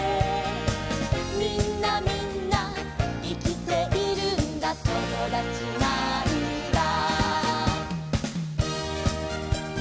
「みんなみんないきているんだともだちなんだ」